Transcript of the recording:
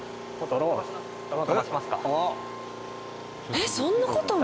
えっそんな事も！？